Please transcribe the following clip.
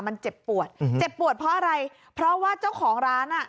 มันเจ็บปวดเจ็บปวดเพราะอะไรเพราะว่าเจ้าของร้านอ่ะ